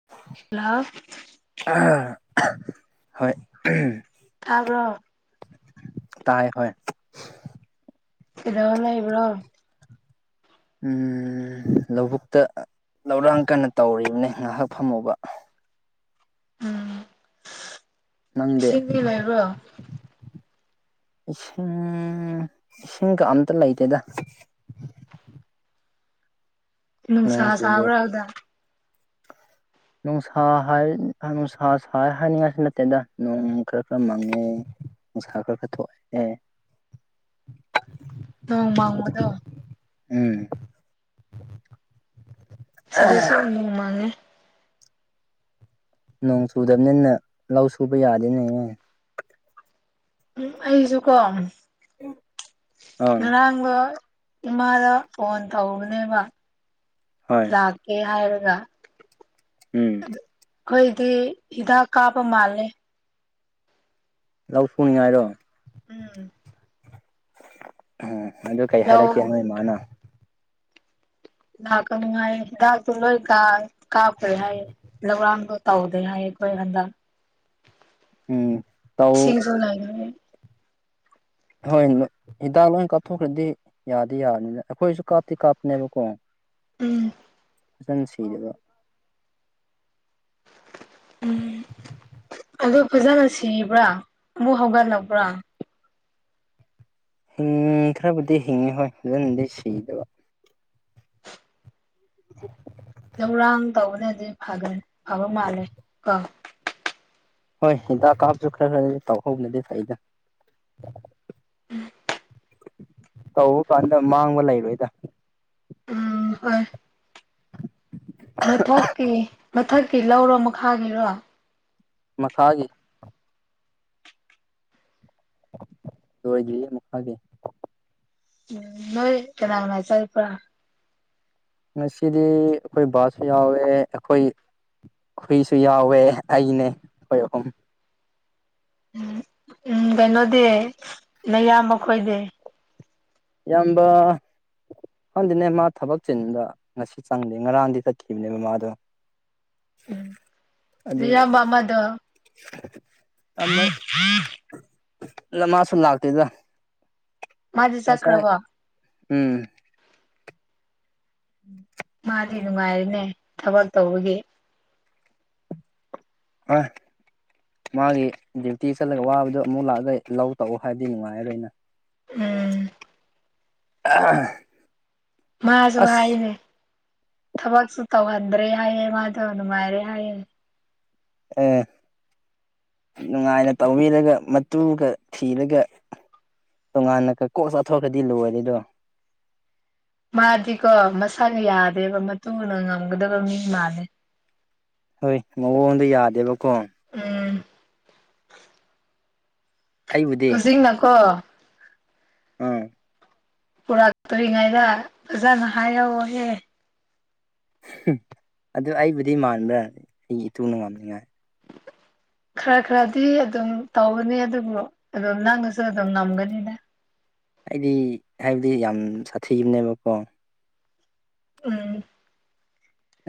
ꯍ ꯍꯜꯂ ꯍꯣꯏ ꯊꯥꯕ꯭ꯔꯣ ꯇꯥꯏ ꯍ ꯁꯤꯗ ꯂꯩꯕ꯭ꯔꯣ ꯎꯝ ꯂꯧꯕꯨꯛꯇ ꯂꯧꯔꯥꯡ ꯀꯟꯅ ꯇꯧꯔꯤꯕꯅꯦ ꯉꯥꯏꯍꯥꯛ ꯐꯝꯃꯨꯕ ꯎꯝ ꯅꯪꯗꯦ ꯏꯁꯤꯡꯗꯤ ꯂꯩꯕ꯭ꯔꯣ ꯏꯁꯤꯡ ꯏꯁꯤꯡ ꯀ ꯑꯝꯇ ꯂꯩꯇꯦꯗ ꯅꯣꯡ ꯅꯨꯡꯁꯥ ꯆꯨꯗꯦ ꯁꯥꯕ꯭ꯔꯥ ꯑꯗꯨꯗ [inaudible] ꯅꯨꯡꯁꯥ ꯍꯥꯏ ꯅꯨꯡꯁꯥ ꯁ ꯍꯥꯏꯅꯤꯡꯉꯥꯏꯁꯨ ꯅꯠꯇꯦꯗ ꯅꯣꯡ ꯈꯔ ꯈꯔ ꯃꯪꯉꯦ ꯁꯔꯒ ꯊꫭꯛ ꯑꯦ ꯅꫭꯡ ꯃꯪꯕꯗꯣ ꯎꯝ ꯁꯤꯗ ꯁꯨ ꯃꯪꯉꯦ ꯅꯣꯡ ꯆꯨꯗꯕꯅꯤꯅ ꯂꯧ ꯁꯨꯕ ꯌꯥꯗꯦꯅꯦꯍ ꯎꯝ ꯑꯩꯁꯨꯀꯣ ꯑꯪ ꯉꯔꯥꯡꯗ ꯏꯃꯥꯗ ꯐꯣꯟ ꯇꯧꯔꯅꯦꯕ ꯍꯣꯏ ꯂꯥꯛꯀꯦ ꯍꯥꯏꯔꯒ ꯎꯝ ꯑꯩꯈꯣꯏꯗꯤ ꯍꯤꯗꯥꯛ ꯀꯥꯞꯕ ꯃꯥꯜꯂꯦ ꯂꯧ ꯁꯨꯅꯤꯡꯉꯥꯏꯔꯣ ꯎꯝ ꯎꯝ ꯑꯗꯨ ꯀꯩ ꯂꯧ ꯍꯥꯏꯔꯛꯀꯦ ꯅꯣꯏ ꯏꯃꯥꯅ ꯂꯥꯛ ꯀꯅꯨꯡꯉ ꯂꯣꯏ ꯀꯥ ꯀꯥꯄ ꯍꯥꯏ ꯂ ꯇꯧꯗꯦ ꯍꯥꯏꯌꯦ ꯑꯩꯈꯣꯏ ꯍꯟꯗꯛ ꯎꯝ ꯇꯧ ꯁꯤꯅꯁꯨ ꯂꯩꯈꯦ ꯍꯣꯏ ꯍꯤꯗꯥꯛ ꯂꯣꯏ ꯀꯥꯞꯊꯣꯛꯈ꯭ꯔꯗꯤ ꯌꯥꯗꯤ ꯌꯥꯕꯅꯤꯅ ꯑꯩꯈꯣꯏꯁꯨ ꯀꯥꯞꯇꯤ ꯀꯥꯞꯄꯅꯦꯕꯀꯣ ꯎꯝ ꯐꯖꯪ ꯁꯤꯗꯕ ꯎꯝ ꯑꯗꯨ ꯐꯖꯅ ꯁꯤꯕ꯭ꯔꯥ ꯑꯃꯨꯛ ꯍꯧꯒꯠꯂꯕ꯭ꯔꯥ ꯎꯝ ꯈꯔꯕꯨꯗꯤ ꯍꯤꯡꯉꯤ ꯍꯣꯏ ꯐꯖꯟꯗꯤ ꯁꯤꯗꯕ [inaudible] ꯊꯧꯔꯥꯡ ꯇꯧꯕꯅꯦꯗꯤ ꯍꯥꯏ ꯑ ꯃꯥꯂꯦ ꯀꫭ ꯍꯣꯏ ꯍꯤꯗꯥꯛ ꯀꯥꯞꯁꯨ ꯈꯔ ꯈꯔꯗꯤ ꯇꯧꯍꯧꯅꯗꯦ ꯁꯗ ꯇꯧꯕ ꯀꯥꯟꯗ ꯃꯥꯡꯕ ꯂꯩꯔꯣꯏꯗ ꯍꫭꯏ ꯃꯊꯛꯀꯤ ꯃꯊꯛꯀꯤ ꯂꯧꯔꯣ ꯃꯈꯥꯒꯤꯔꯣ ꯃꯈꯥꯒꯤ ꯂꫭꯏꯗꯤ ꯃꯈꯥꯒꯤ ꯎꯝ ꯅꯣꯏ ꯀꯅꯥ ꯀꯅꯥ ꯆꯠ ꯄꯔꯥ ꯉꯁꯤꯗꯤ ꯑꯩꯈꯣꯏ ꯕꯥꯁꯨ ꯌꯥꯎꯋꯦ ꯑꯩꯈꯣꯏ ꯍꯨꯏꯁꯨ ꯌꯥꯎꯋꯦ ꯑꯩꯅꯦ ꯍꯣꯏ ꯑꯍꯨꯝ ꯎꯝ ꯀꯩꯅꯣꯗꯤ ꯅꯌꯥꯝꯕꯣꯏꯗꯤ ꯏꯌꯥꯝꯕ ꯍꯪꯗꯤꯅꯦ ꯃꯥ ꯊꯕꯛ ꯆꯤꯟꯗ ꯉꯁꯤ ꯆꯪꯗꯦ ꯉꯔꯥꯡꯗꯤ ꯆꯠꯈꯤꯕꯅꯦꯕ ꯃꯥꯗꯣ [inaudible] [unintelligible] ꯑꯗꯨ ꯅꯌꯥꯝꯕ ꯑꯃꯗꫭ ꯃꯥꯁꯂ ꯂꯥꯛꯇꯦꯗ ꯃꯥꯗꯤ ꯉꯥꯁꯥꯏ ꯆꯠꯈ꯭ꯔꯕꯣ ꯎꯝ ꯃꯥꯗꯤ ꯅꯨꯡꯉꯥꯏꯔꯤꯅꯦ ꯊꯕꯛ ꯇꯧꯕꯒꯤ [unintelligible] ꯃꯥꯒꯤ ꯗ꯭ꯌꯨꯇꯤ ꯆꯠꯂꯒ ꯋꯥꯕꯗꯨ ꯑꯃꯨꯛ ꯂꯥꯛꯑꯒ ꯂꯧ ꯇꯛꯎ ꯍꯥꯏꯕꯗꯤ ꯅꯨꯡꯉꯥꯏꯔꯣꯏꯅ ꯎꯝ [unintelligible] ꯃꯥꯁꯨ ꯑꯁ ꯍꯥꯏꯅꯦ ꯊꯕꯛꯁꯨ ꯇꯧꯍꯟꯗ꯭ꯔꯦ ꯍꯥꯏꯌꯦ ꯃꯥꯁꯨ ꯅꯨꯡꯉꯥꯏꯔꯦ ꯍꯥꯏꯌꯦꯅꯦ ꯑꯦ ꯅꯨꯡꯉꯥꯏꯅ ꯇꯧꯕꯤꯔꯒ ꯃꯇꯨꯒ ꯊꯤꯔꯒ ꯇꯣꯉꯥꯟꯅ ꯀꯣꯛ ꯆꯥꯊꯣꯛꯑꯗꯤ ꯂꯣꯏꯔꯦꯗꯣ ꯃꯥꯗꯤꯀꯣ ꯃꯁꯥꯅ ꯌꯥꯗꯦꯕ ꯃꯇꯨꯅ ꯉꯝꯒꯗꯕ ꯃꯤ ꯃꯥꯂꯦ ꯍꯣꯏ ꯃꯑꯣꯟꯗꯣ ꯌꯥꯗꯦꯕꯀꯣ ꯎꯝ ꯑꯩꯕꯨꯗꯤ ꯍꯧꯖꯤꯡꯅꯀꯣ ꯑꯥ ꯄꯨꯔꯛꯇꯔ ꯀꯔꯤ ꯉꯥꯢꯕ ꯐꯖꯅ ꯍꯥꯏꯌꯣꯍꯦ ꯑꯗꯨ ꯑꯩꯕꯨꯗꯤ ꯃꯥꯟꯕ꯭ꯔꯥ ꯑꯩꯒꯤ ꯏꯇꯨꯅ ꯉꯝꯅꯤꯉꯥꯏ [unintelligible] ꯈꯔ ꯈꯔꯗꯤ ꯑꯗꯨꯝ ꯇꯧꯒꯅꯤ ꯑꯗꯨꯕꯨ ꯑꯗꯨꯝ ꯅꯪꯅꯁꯨ ꯑꯗꯨꯝ ꯉꯝꯒꯅꯤꯗ ꯑꯩꯗꯤ ꯍꯥꯏꯕꯗꯤ ꯌꯥꯝ ꯁꯥꯊꯤꯕꯅꯦꯕꯀꯣ ꯎꯝ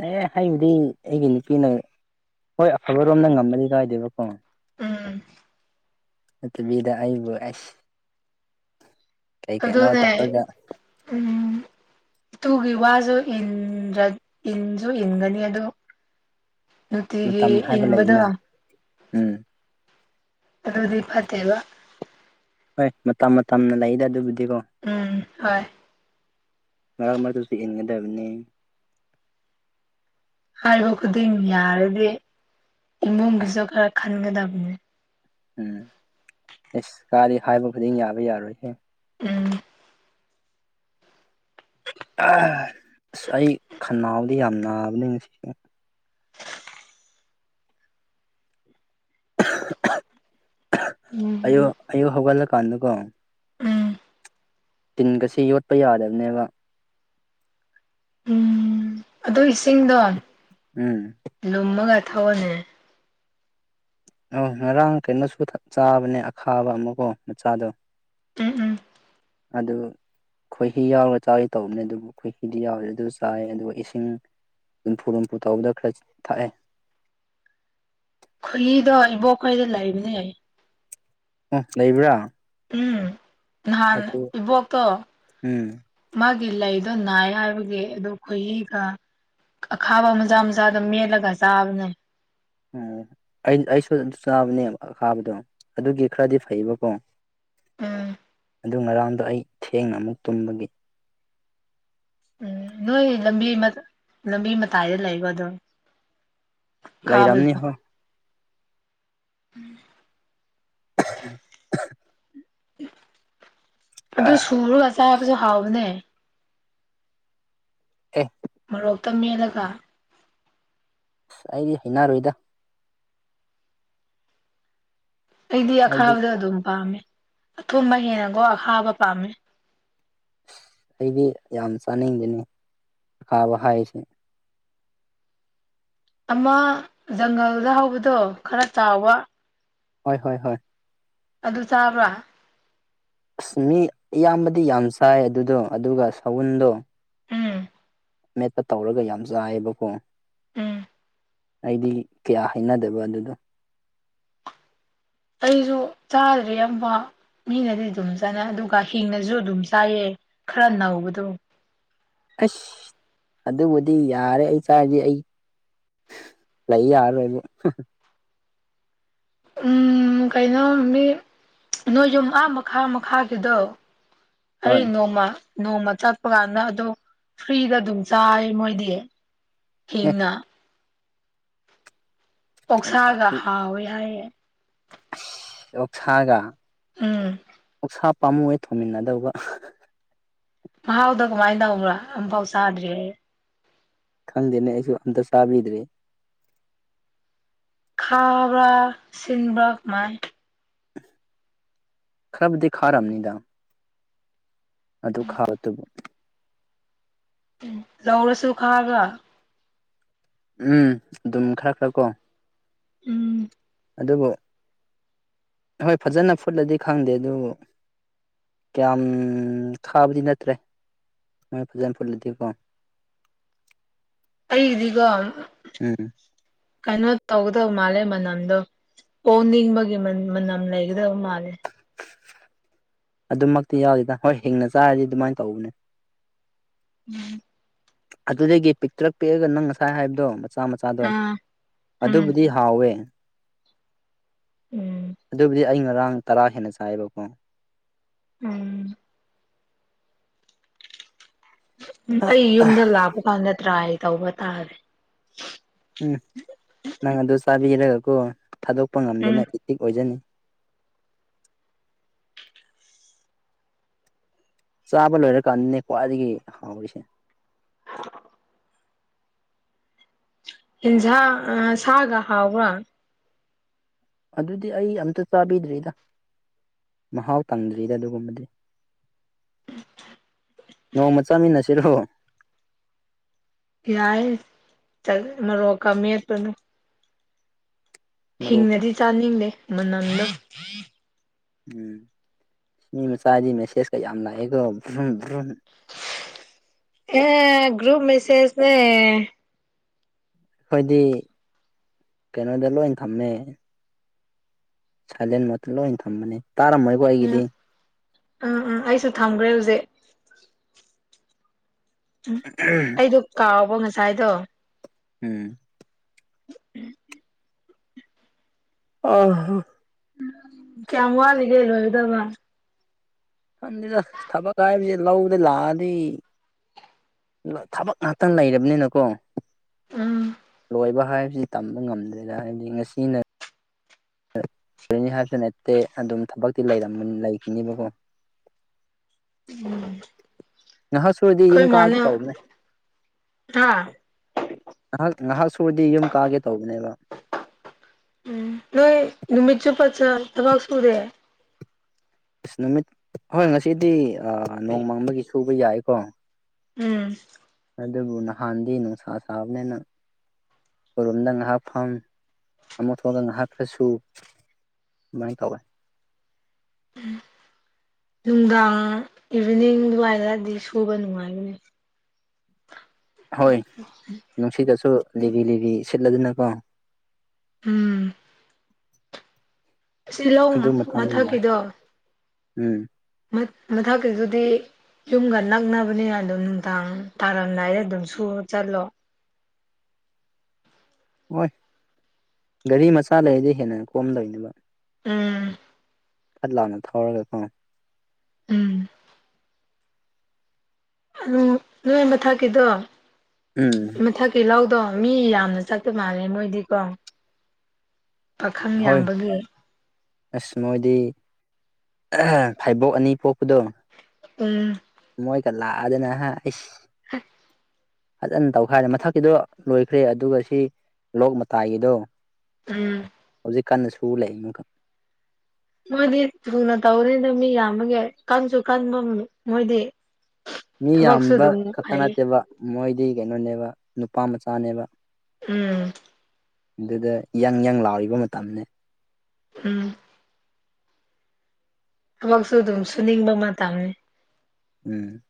ꯑꯦ ꯑꯩꯕꯨꯗꯤ ꯑꯩꯒꯤ ꯅꯨꯄꯤꯅ ꯍꯣꯏ ꯑꯐꯕꯔꯣꯝꯗ ꯉꯝꯃꯗꯤ ꯀꯥꯏꯗꯦꯕꯀꯣ ꯎꯝ ꯑꯗꯨꯅꯤꯗ ꯑꯩꯕꯨ ꯑꯁ ꯀꯩ ꯀꯩꯅꯣ ꯑꯗꯨꯅꯦ ꯇꯧꯔꯒ ꯎꯝ ꯇꯨꯒꯤ ꯋꯥꯁꯨ ꯏꯟꯁꯨ ꯏꯟꯒꯅꯤ ꯑꯗꯨ ꯅꯨꯇꯤꯒꯤ ꯃꯇꯝ ꯍꯥꯏꯕ ꯏꯟꯕꯗꯨ ꯂꯩꯗꯅ ꯎꯝ ꯑꯗꯨꯗꯤ ꯐꯠꯇꯦꯕ ꯍꯣꯏ ꯃꯇꯝ ꯃꯇꯝꯅ ꯂꯩꯗ ꯑꯗꯨꯕꯨꯗꯤꯀꯣ ꯎꯝ ꯍꯣꯏ ꯃꯔꯛ ꯃꯔꯛꯇꯁꯨ ꯏꯟꯒꯗꯕꯅꯦ ꯍꯥꯏꯕ ꯈꯨꯗꯤꯡ ꯌꯥꯔꯗꯤ ꯑꯁ ꯏꯃꯨꯡꯒꯤꯁꯨ ꯈꯔ ꯈꯟꯒꯗꯕꯅꯤ ꯎꯝ ꯏꯁ ꯀꯥꯏꯗꯩ ꯍꯥꯏꯕ ꯈꯨꯗꯤꯡ ꯌꯥꯕ ꯌꯥꯔꯣꯏꯍꯦ ꯎꯝ ꯑꯁ ꯑꯩ ꯈꯟꯅꯥꯎꯗꯤ ꯌꯥꯝ ꯅꯥꯕꯅꯤ ꯉꯁꯤꯁꯦ [inaudible] ꯑꯝ ꯑꯌꯨꯛ ꯑꯌꯨꯛ ꯍꯧꯒꯠꯂꯀꯥꯟꯗꯀꯣ ꯎꯝ ꯇꯤꯟꯒꯁꯤ ꯌꯣꯠꯄ ꯌꯥꯗꯕꯅꯦꯕ ꯑꯗꯣ ꯏꯁꯤꯡꯗꯣ ꯎꯝ ꯂꯨꯝꯃꯒ ꯊꯧꯑꯅꯦ ꯑꯥ ꯉꯔꯥꯡ ꯀꯩꯅꯣꯁꯨ ꯆꯥꯕꯅꯦ ꯑꯈꯥꯕ ꯑꯃꯀꯣ ꯃꯆꯥꯗꯣ ꯎꯝ ꯎꯝ ꯑꯗꯨ ꯈꯣꯏꯍꯤ ꯌꯥꯎꯔꯒ ꯆꯥꯒꯦ ꯇꯧꯕꯅꯦ ꯑꯗꯨꯕꯨ ꯈꯣꯏꯍꯤꯗꯤ ꯌꯥꯎꯔꯗꯤ ꯑꯗꯨ ꯆꯥꯏ ꯑꯗꯨꯒ ꯏꯁꯤꯡ ꯂꯨꯝꯐꯨ ꯂꯨꯝꯐꯨ ꯇꯧꯕꯗꯣ ꯈꯔ ꯊꯛꯑꯦ ꯈꯨꯍꯤꯗꯣ ꯏꯕꯣꯛꯈꯣꯏꯗ ꯂꯩꯕꯅꯦ ꯌꯥꯏ ꯑꯣ ꯂꯩꯕ꯭ꯔꯥ ꯎꯝ ꯅꯍꯥꯟ ꯑꯗꯨ ꯏꯕꯣꯛꯇꯣ ꯎꯝ ꯃꯥꯒꯤ ꯂꯩꯗꯣ ꯅꯥꯏ ꯍꯥꯏꯕꯒꯤ ꯑꯗꯨ ꯈꯣꯏꯍꯤꯒ ꯑꯈꯥꯕ ꯃꯆꯥ ꯃꯆꯥ ꯗꯨ ꯃꯦꯠꯂꯒ ꯆꯥꯕꯅꯦ ꯑꯣ ꯑꯩ ꯑꯩꯁꯨ ꯑꯗꯨ ꯆꯥꯕꯅꯦꯕ ꯑꯈꯥꯕꯗꯣ ꯑꯗꯨꯒꯤ ꯈꯔꯗꯤ ꯐꯩꯌꯦꯕꯀꯣ ꯎꯝ ꯑꯗꯨ ꯉꯔꯥꯡꯗꯣ ꯑꯩ ꯊꯦꯡꯅ ꯑꯃꯨꯛ ꯇꯨꯝꯕꯒꯤ ꯎꯝ ꯅꯣꯏ ꯂꯝꯕꯤ ꯂꯝꯕꯤ ꯃꯇꯥꯏꯗ ꯂꯩꯕ ꯑꯗꯨꯝ ꯂꯩꯔꯝꯅꯤ ꯍꯣꯢ ꯎꯝ [unintelligible] [inaudible] ꯑꯗꯨ ꯑꯦ ꯁꯨꯔꯒ ꯆꯥꯕꯁꯨ ꯍꯥꯎꯕꯅꯦ ꯑꯦ ꯃꯣꯔꯣꯛꯇ ꯃꯦꯠꯂꯒ ꯑꯁ ꯑꯩꯗꯤ ꯍꯩꯅꯔꯣꯏꯗ ꯑꯩꯗꯤ ꯍꯥꯏꯕꯗꯤ ꯑꯈꯥꯕꯗꯣ ꯑꯗꯨꯝ ꯄꯥꯝꯃꯦ ꯑꯊꯣꯕ ꯍꯦꯟꯅꯒꯣ ꯑꯈꯥꯕ ꯄꯥꯝꯃꯦ ꯑꯩꯗꯤ ꯌꯥꯝ ꯆꯥꯅꯤꯡꯗꯦꯅꯦ ꯑꯈꯥꯕ ꯍꯥꯏꯁꯦ ꯑꯃ ꯖꯪꯒꯜꯗ ꯍꯧꯕꯗꯣ ꯈꯔ ꯆꯥꯎꯕ ꯍꯣꯏ ꯍꯣꯏ ꯍꯣꯏ ꯑꯗꯨ ꯆꯥꯕ꯭ꯔꯥ ꯑꯁ ꯃꯤ ꯑꯌꯥꯝꯕꯗꯤ ꯌꯥꯝ ꯆꯥꯏ ꯑꯗꯨꯗꯣ ꯑꯗꯨꯒ ꯁꯎꯟꯗꯣ ꯎꯝ ꯃꯦꯠꯄ ꯇꯧꯔꯒ ꯌꯥꯝ ꯆꯥꯏꯕꯀꯣ ꯎꯝ ꯑꯩꯗꯤ ꯀꯌꯥ ꯍꯥꯏꯅꯗꯕ ꯑꯗꯨꯗꯣ ꯑꯩꯖꯨ ꯆꯥꯗ꯭ꯔꯔꯤ ꯑꯃꯝꯕ ꯃꯤꯅꯗꯤ ꯑꯗꯨꯝ ꯆꯠꯅꯩ ꯑꯗꯨꯒ ꯍꯤꯡꯅꯁꯨ ꯑꯗꯨꯝ ꯆꯥꯏꯌꯦ ꯈꯔ ꯅꯧꯕꯗꯨ ꯑꯁ ꯑꯗꯨꯕꯨꯗꯤ ꯌꯥꯔꯦ ꯑꯩ ꯆꯥꯔꯒꯦ ꯑꯩ ꯂꯩ ꯌꯔꯔꯣꯏꯕꯨ ꯎꯝ ꯀꯩꯅꯣ ꯃꯤ ꯅꯣꯏ ꯌꯨꯝ ꯑꯥ ꯃꯈꯥ ꯃꯈꯥꯒꯤꯗꯣ ꯑꯩ ꯍꯣꯏ ꯅꯣꯡꯃ ꯅꯣꯡꯃ ꯆꯠꯄ ꯀꯥꯟꯗ ꯑꯗꯣ ꯐ꯭ꯔꯤꯗ ꯑꯗꯨꯝ ꯆꯥꯏ ꯃꯣꯏꯗꯤ ꯑꯦ ꯍꯤꯡꯅ ꯑꯣꯛꯁꯥꯒ ꯍꯥꯎꯋꯦ ꯍꯥꯏꯌꯦ ꯑꯣꯛꯁꯥꯒ ꯎꯝ ꯑꯣꯛꯁꯥ ꯄꯥꯝꯃꯨꯏꯌꯦ ꯊꯣꯡꯃꯤꯟꯅꯗꯧꯕ ꯃꯍꯥꯎꯗꯣ ꯀꯃꯥꯏꯅ ꯇꯧꯕ꯭ꯔꯥ ꯑꯝꯐꯥꯎ ꯆꯥꯗ꯭ꯔꯤ ꯑꯩ ꯈꯪꯗꯦꯅꯦ ꯑꯩꯁꯨ ꯑꯝꯇ ꯆꯥꯕꯤꯗ꯭ꯔꯤ ꯈꯕ꯭ꯔꯥ ꯁꯤꯟꯕ꯭ꯔꯥ ꯀꯃꯥꯏ ꯈꯥꯗꯤ ꯈꯔꯝꯅꯤꯗꯥ ꯑꯗꯨꯛ ꯈꯥꯕꯗꯨꯕꯨ ꯂꯧꯔꯁꯨ ꯈꯥꯕ ꯎꯝ ꯑꯗꯨꯝ ꯈꯔ ꯈꯔ ꯀꯣ ꯎꯝ ꯑꯗꯨꯕꯨ ꯍꯣꯏ ꯐꯖꯟꯅꯥ ꯐꯨꯠꯂꯗꯤ ꯈꯪꯗꯦ ꯑꯗꯨꯕꯨ ꯀꯌꯥꯝ ꯈꯥꯕꯗꯤ ꯅꯠꯇ꯭ꯔꯦ ꯃꯣꯏ ꯐꯖꯟꯅ ꯐꯨꯠꯂꯗꯤꯀꯣ ꯑꯩꯗꯤꯒꯣ ꯎꯝ ꯀꯩꯅꯣ ꯇꯧꯒꯗꯕ ꯃꯥꯂꯦ ꯃꯅꯝꯗꯣ ꯑꯣꯅꯤꯡꯕꯒꯤ ꯃꯅꯝ ꯂꯩꯒꯗꯕ ꯃꯥꯜꯂꯦ ꯑꯗꯨꯃꯛꯇꯤ ꯌꯥꯎꯗꯦꯗ ꯍꯣꯏ ꯍꯤꯡꯅ ꯆꯥꯔꯗꯤ ꯑꯗꯨꯃꯥꯏꯅ ꯇꯧꯕꯅꯦ ꯎꯝ ꯑꯗꯨꯗꯒꯤ ꯄꯤꯛꯛꯇꯂꯛ ꯄꯤꯛꯑꯒ ꯅꯪ ꯉꯁꯥꯏ ꯍꯥꯏꯕꯗꯣ ꯃꯆꯥ ꯃꯆꯥꯗꯣ ꯑꯥ ꯎꯝ ꯑꯗꯨꯕꯨꯗꯤ ꯍꯥꯎꯋꯦ ꯎꯝ ꯑꯗꯨꯕꯨꯗꯤ ꯑꯩ ꯉꯔꯥꯡ ꯇꯔꯥ ꯍꯦꯟꯅ ꯆꯥꯏꯑꯕꯀꯣ ꯎꯝ ꯑꯩ ꯌꯨꯝꯗ ꯂꯥꯛꯄ ꯀꯥꯟꯗ ꯇ꯭ꯔꯥꯏ ꯇꯧꯕ ꯇꯥꯔꯦ ꯎꯝ ꯅꯪ ꯑꯗꯨ ꯆꯥꯕꯤꯔꯒꯀꯣ ꯊꯥꯗꯣꯛꯄ ꯎꯝ ꯉꯝꯗꯅ ꯏꯇꯤꯛ ꯑꯣꯏꯖꯅꯤ ꯆꯥꯕ ꯂꯣꯏꯔꯀꯥꯟꯗꯅꯦ ꯈ꯭ꯋꯥꯏꯗꯒꯤ ꯍꯥꯎꯔꯤꯁꯦ ꯏꯟꯁꯥꯡ ꯁꯥꯒ ꯍꯥꯎꯕ꯭ꯔꯥ ꯑꯗꯨꯗꯤ ꯑꯩ ꯑꯝꯇ ꯆꯥꯕꯤꯗ꯭ꯔꯤꯗ ꯃꯍꯥꯎ ꯇꯪꯗ꯭ꯔꯤꯗ ꯑꯗꯨꯒꯨꯝꯕꯗꯤ ꯅꯣꯡꯃ ꯆꯥꯃꯤꯟꯅꯁꯤꯔꯣ ꯌꯥꯏ ꯆꯠꯔꯣ ꯀ ꯃꯄ ꯃꯔꯣꯛ ꯍꯤꯡꯅꯗꯤ ꯆꯥꯅꯤꯡꯗꯦ ꯃꯅꯝꯗꯣ ꯎꯝ ꯁꯤꯅꯤ ꯃꯆꯥꯗꯤ ꯃꯦꯁꯦꯁꯀ ꯌꯥꯝ ꯂꯥꯛꯑꯦꯀꯣ ꯑꯦ ꯒ꯭ꯔꯨꯨꯞ ꯃꯦꯁꯦꯖꯅꯦ ꯑꯩꯈꯣꯏꯗꯤ ꯀꯩꯅꯣꯗ ꯂꯣꯏ ꯊꯝꯃꯦ ꯁꯥꯏꯂꯦꯟꯃ ꯂꯣꯏ ꯊꯝꯕꯅꯦ ꯇꯥꯔꯝꯃꯣꯏꯀꯣ ꯑꯩꯒꯤꯗꯤ ꯎꯝ ꯎꯝ ꯎꯝ ꯑꯩꯁꯨ ꯊꯝꯈ꯭ꯔꯦ ꯍꯧꯖꯤꯛ ꯎꯝ ꯑꯩꯗꯣ ꯀꯥꯎꯕ ꯉꯁꯥꯏꯗꯣ ꯎꯝ ꯑ ꯀꯃ ꯂꯤꯒꯦ ꯂꯣ ꯑꯣꯏꯗꯕ ꯁꯟꯗꯗ ꯊꯕꯛ ꯍꯥꯏꯁꯦ ꯂꯧꯗ ꯂꯥꯛꯑꯗꯤ ꯊꯕꯛ ꯉꯍꯥꯛꯇꯪ ꯂꯩꯔꯕꯅꯤꯅꯀꯣ ꯎꯝ ꯂꯣꯏꯕ ꯍꯥꯏꯕꯁꯤꯗꯤ ꯇꯝꯕ ꯉꯝꯗꯦꯅ ꯍꯥꯏꯕꯗꯤ ꯉꯁꯤꯅ ꯅꯤ ꯍꯥꯏꯕꯁꯨ ꯅꯠꯇꯦ ꯑꯗꯨꯝ ꯊꯕꯛꯇꯤ ꯂꯩꯈꯤꯅꯤꯕꯀꯣ ꯎꯝ ꯅꯍ ꯁꯨꯔꯗꯤ ꯌꯨꯝ ꯀꯥꯒꯦ ꯇꯧ ꯃ ꯍꯥ ꯉꯥꯏꯍꯥꯛ ꯉꯥꯏꯍꯥꯛ ꯁꯨꯔꯗꯤ ꯌꯨꯝ ꯀꯥꯒꯦ ꯇꯧꯕꯅꯦꯕ ꯎꯝ ꯅꯣꯏ ꯅꯨꯃꯤꯠ ꯆꯨꯞꯄꯆ ꯊꯕꯥꯛꯁꯨꯨꯗꯦ ꯑꯁ ꯅꯨꯃꯤꯠ ꯍꯣꯏ ꯉꯁꯤꯗꯤ ꯅꯣꯡꯃꯪ ꯑꯃꯒꯤꯒꯤ ꯁꯨꯕ ꯌꯥꯏꯀꯣ ꯎꯝ ꯑꯗꯨꯕꯨ ꯅꯍꯥꯟꯗꯤ ꯅꯨꯡꯁ ꯁꯥꯕꯅꯦꯅ ꯑꯩꯔꯣꯝꯗ ꯉꯥꯏꯍꯥꯛ ꯐ ꯑꯃꯛ ꯊꯣꯛꯑꯒ ꯉꯥꯏꯍꯥꯛꯈ꯭ꯔꯁꯨ ꯃꯅꯤ ꯈꯋꯥꯦ ꯅꯨꯡꯗꯥꯡ ꯏꯚꯤꯅꯤꯡ ꯑꯗꯨꯋꯥꯏꯔꯑꯗꯤ ꯁꯨꯕ ꯅꯨꯡꯉꯥꯏꯒꯅꯤ ꯍꯣꯏ ꯅꯨꯡꯁꯤꯗꯁꯨ ꯂꯤꯕꯤ ꯂꯤꯕꯤ ꯁꯤꯠꯂꯗꯅꯀꯣ ꯎꯝ ꯇꯤꯜꯍꯧ ꯑꯗꯨ ꯃꯇꯥꯡꯗ ꯅꯨꯡꯉꯥꯏ ꯃꯊꯛꯀꯤꯗꯣ ꯎꯝ ꯃꯊꯛꯀꯤꯗꯨꯗꯤ ꯌꯨꯝꯒ ꯅꯛꯅꯕꯅꯤꯅ ꯑꯗꯨꯣ ꯅꯨꯡꯗꯥꯡ ꯇꯥꯔꯝꯗꯥꯏꯗ ꯑꯗꯨꯝ ꯁꯨꯔ ꯆꯠꯂꯣ ꯍꯣꯏ ꯒꯥꯔꯤ ꯃꯆꯥ ꯂꯩꯔꯗꯤ ꯍꯦꯟꯅ ꯀꯣꯝꯗꯣꯏꯅꯦꯕ ꯎꯝ ꯐꯠ ꯂꯥꯎꯑꯣꯅ ꯊꯧꯔꯒ ꯈꯉꯣ ꯎꯝ ꯑꯗꯨꯝ ꯅꯣꯏꯕ ꯊꯥꯛꯀꯤꯗꯣ ꯎꯝ ꯃꯊꯛꯀꯤ ꯂꯧꯗꯣ ꯃꯤ ꯌꯥꯝꯅ ꯆꯥꯛꯄ ꯃꯥꯜꯂꯦ ꯃꯣꯏꯗꯤꯀꯣ ꯄꯥꯈꯪ ꯍꯣꯏ ꯌꯥꯝꯕꯒꯤ ꯑꯁ ꯃꯣꯏꯗꯤ ꯐꯥꯏꯕꯣꯛ ꯑꯅꯤ ꯄꯣꯛꯄꯗꯣ ꯎꯝ ꯃꯣꯏꯒ ꯂꯥꯛꯑꯗꯅ ꯍꯥꯏ ꯑꯩꯁ ꯐꯖꯅ ꯇꯧꯈ ꯍꯥꯏꯔꯦ ꯃꯊꯛꯀꯤꯗꯣ ꯂꯣꯏꯈ꯭ꯔꯦ ꯑꯗꯨꯒ ꯁꯤ ꯂꯣꯛ ꯃꯇꯥꯏꯒꯤꯗꯣ ꯎꯝ ꯁꯤ ꯀꯥꯟꯟꯅ ꯁꯨ ꯂꯥꯛꯏꯃ ꯃꯣꯏꯗꯤ ꯊꯨꯅ ꯇꯧꯅꯤꯗ ꯃꯤ ꯌꯥꯝꯕꯒꯤ ꯀꯟꯁꯨ ꯀꯟꯐꯝ ꯃꯣꯏꯗꯤ ꯃꯤ ꯊꯕꯛꯁꯨ ꯌꯥꯝꯕ ꯑꯗꯨꯝ ꯈꯛꯇ ꯐꯩ ꯅꯠꯇꯦꯕ ꯃꯣꯏꯗꯤ ꯀꯩꯅꯣꯅꯦꯕ ꯅꯨꯄꯥ ꯃꯆꯥꯅꯦꯕ ꯎꯝ ꯑꯗꯨꯗ ꯌꯪ ꯌꯪ ꯂꯥꯎꯔꯤꯕ ꯃꯇꯝꯅꯤꯅꯦ ꯎꯝ ꯊꯕꯛꯁꯨ ꯑꯗꯨꯝ ꯁꯨꯅꯤꯡꯕ ꯃꯇꯝꯅꯤ ꯎꯝ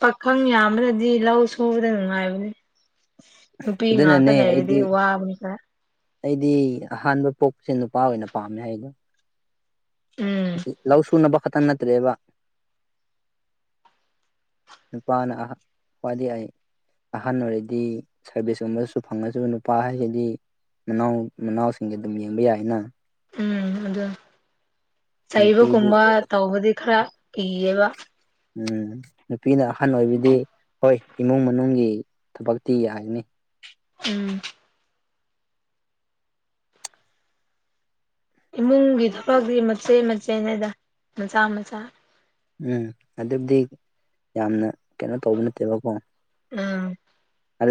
ꯄꯥꯈꯪ ꯌꯥꯝꯕꯅꯗꯤ ꯂꯧ ꯁꯨꯕꯗ ꯅꯨꯡꯉꯥꯏꯕꯅꯤ ꯅꯨꯄꯤ ꯉꯥꯛꯇ ꯑꯗꯨꯅꯅꯦ ꯂꯩꯔꯗꯤ ꯑꯩꯗꯤ ꯋꯥꯕꯅꯤ ꯈꯔ ꯑꯩꯗꯤ ꯑꯍꯥꯟꯕ ꯄꯣꯛꯄꯁꯦ ꯅꯨꯄꯥ ꯑꯣꯏꯅ ꯄꯥꯝꯃꯦ ꯍꯥꯏꯗꯣ ꯎꯝ ꯂꯧ ꯁꯨꯅꯕ ꯈꯛꯇꯪ ꯅꯠꯇ꯭ꯔꯦꯕ [inaudible] ꯅꯨꯄꯥꯅ ꯐꯗꯤ ꯑꯩ ꯑꯍꯟ ꯑꯣꯏꯔꯗꯤ ꯁꯥꯔꯚꯤꯁꯀꯨꯝꯕꯗꯁꯨ ꯐꯪꯉꯁꯨ ꯅꯨꯄꯥ ꯍꯥꯏꯒꯗꯤ ꯃꯅꯥꯎ ꯃꯅꯥꯎꯁꯤꯡ ꯑꯗꯨꯝ ꯌꯦꯡꯕ ꯌꯥꯏꯅ ꯑ ꯅꯨꯄꯤꯗꯤ ꯆꯩꯕꯒꯨꯝꯕ ꯇꯧꯕꯗꯤ ꯈꯔ ꯀꯤꯌꯦꯕ ꯎꯝ ꯅꯨꯄꯤꯅ ꯑꯍꯟ ꯑꯣꯏꯕꯤꯗꯤ ꯍꯣꯏ ꯏꯃꯨꯡ ꯃꯅꯨꯡꯒꯤ ꯊꯕꯛꯇꯤ ꯌꯥꯒꯅꯤ ꯎꯝ ꯏꯃꯨꯡꯒꯤ ꯊꯕꯛꯇꯤ ꯃꯆꯦꯠ ꯃꯆꯦꯅꯦꯗ ꯃꯆꯥ ꯃꯆꯥ ꯎꯝ ꯑꯗꯨꯕꯨꯗꯤ ꯌꯥꯝꯅ ꯀꯩꯅꯣ ꯇꯧꯕ ꯅꯠꯇꯦꯕꯀꯣ ꯎꯝ